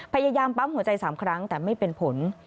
พยายามปั๊มหัวใจ๓ครั้งแต่ไม่เป็นผล